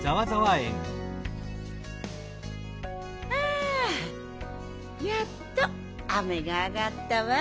あやっとあめがあがったわ。